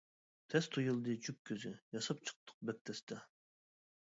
تەس تۇيۇلدى جۈپ كۆزى، ياساپ چىقتۇق بەك تەستە.